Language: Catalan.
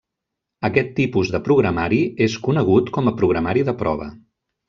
Aquest tipus de programari és conegut com a programari de prova.